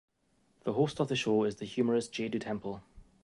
The host of the show is the humorist Jay Du Temple.